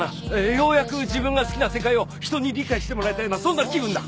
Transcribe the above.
ようやく自分が好きな世界を人に理解してもらえたようなそんな気分だ。